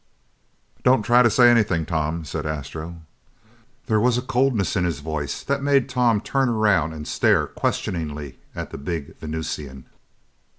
"Don't try to say anything, Tom," said Astro. There was a coldness in his voice that made Tom turn around and stare questioningly at the big Venusian.